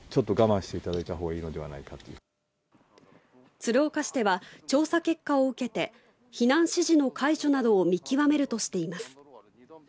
鶴岡市では調査結果を受けて避難指示の解除などを見極めるとしています